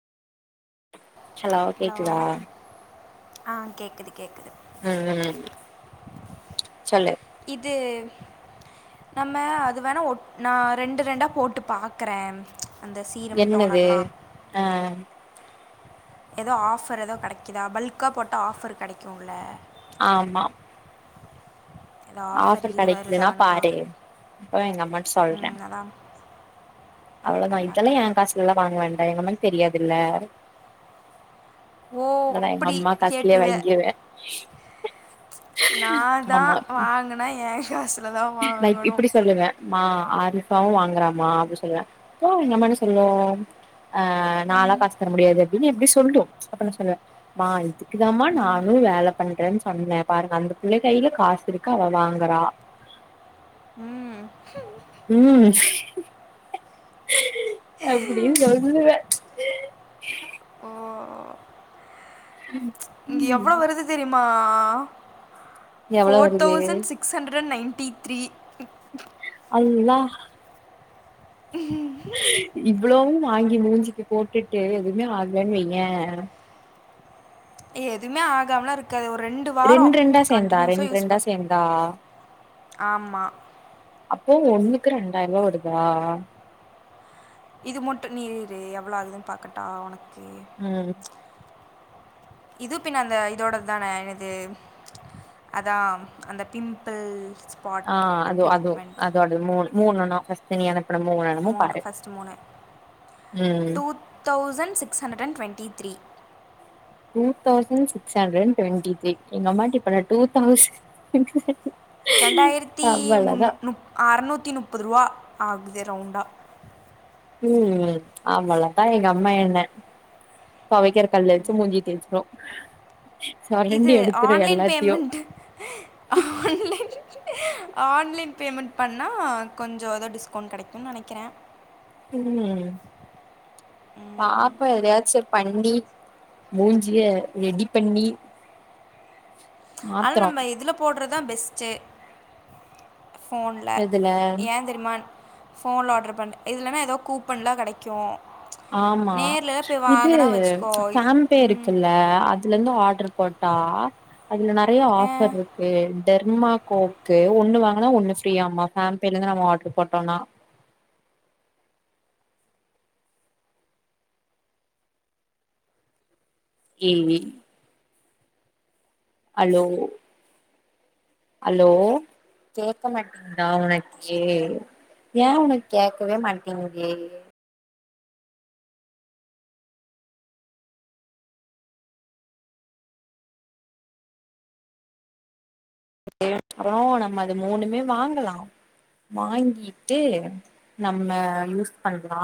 hello ஆ கேக்குது கேக்குது ம் ம் சொல்லு இது நம்ம அது வேணா ஒட் நா ரெண்டு ரெண்டா போட்டு பாக்கற என்னது ஆ ஏதோ ஆஃபர் ஏதோ கெடைக்குதா பல்க்கா போட்டா ஆஃபர் கெடைக்கும்ல ஆமா ஏதோ ஆஃபர் இது கெடைக்குதுன்னா வருதான்னு பா பாரு அப்ப எங்க அம்மாட்ட சொல்ற ம் அதான் அவ்வளவுதா பார்க்குறேன் இதெல்லா பார்க்குறேன் ஏ காசுலல்லா வாங்க வேண்டா எங்கம்மாக்கு தெரியாதுல்ல ஓ அதெல்லா எங்க அப்படி அம்மா காசுலயே கேட்டுருவ வாங்கிருவே நான்தா ஆமா வாங்குனா ஏ காசு நா இப்பிடி சொல்லுவ மா ஆரிஃபாவு வாங்குறாம்மா அப்டின்னு சொல்லுவ அப்போ எங்கம்மா என்னை சொல்லு ஆ நாலா காசு தர முடியாது அப்டின்னு எப்டி சொல்லும் அப்ப நா சொல்லுவ மா இது க்குதாம்மா நானு வேல பண்றன்னு சொன்ன பாருங்க அந்த புள்ள கையில காசு இருக்கு அவ வாங்குறா ம் ம் அப்டினு சொல்லுவ ஓ [inaudible] இங்க எவ்ளோ வருது தெரியுமா எவ்ளோ ஃபோர் வருது தௌசண்ட் சிக்ஸ் சிஸ் ஹண்டர் நைன்ட்டி த்ரீ அல்லா இவ்ளோவு வாங்கி மூஞ்சிக்கு போட்டுட்டு எதுவுமே ஆகலன்னு வைய எதுவுமே ஆகாம இருக்காது ஒரு ரெண்டு வாரோ ரெண்டா சேந்தா கண்டினியூஸா ரெண்டு யூஸ் ரெண்டா பண்ணு சேந்தா ஆமா அப்போ ஒண்ணுக்கு ரெண்டாயிரம் ரூபா வருதா இது மட்டு நீ இரு எவ்வளோ ஆகுதுன்னு பாக்கட்டா உனக்கு ம் இது பின்ன அந்த இதோட தா எனது அதா அந்த பிம்பிள்ஸ் ஆ அது அதும் அது அது மூ மூணாண்ணா பஸ் ட்டு நீ அனுப்புன மூன்னான்னு மூணு பாரு ஃபஸ்ட்டு ம் thousand six hundred twenty three two thousand six hundred twenty three எங்கஅம்மா ட இப்ப டூ தௌசண்ட் ரெண்டாயிரத்தி முன் அவ்வளதா மு அ அறநூத்தி முப்பது ரூபா ஆகுது ரவுண்டா ம் ம் அவ்லத் தா எங்க அம்மா என்ன துவைகர கல்ல வச்சு மூஞ்சி தேச்சுரு இது online payment online online payment பண்ணா கொஞ்சோ ஏதோ டிஸ்கவுண்ட் கிடைக்கும்னு நினைக்கிறே ம் பாப்போம் எதாச்சு பண்டி மூஞ்சிய ரெடி பண்ணி ஆனால் மாத்துறோ நம்ம இதில்ல போடுறதான் பெஸ்ட்டு போஃன்ல எதுல ஏங்க ரிமான் ஃபோன்ல்ல ஆர்டர் பண்ண இல்லன்னா எதாவது கூப்பன்லாம் கிடைக்கும் ஆமா நேர்லலாம் போய் இது வாங்கினா வச்சுக்கோ ஃபேன்பே ம், இருக்குல்ல அதுல இருந்து ஆர்டர் போட்டா அதுல நிறைய ஆ ஆஃபர் இருக்கு டெர்மா கோக்கு ஒன்னு வாங்குனா ஒன்னு ஃப்ரீய ஆம்மா ஃபேன்பேலருந்து நம்ம ஆர்ட்ரு போட்டோம்னா ஏய் ஏய் அலோ ஹலோ கேக்க மாட்டேங்கதா உனக்கே ஏன் உனக்கு கேட்கவே மாட்டேங்கேது ஒகே அப்புறம் நம்ம அது மூணுமே வாங்கலாம் வாங்கிட்டு நம்ம யூஸ் பண்ணலாம்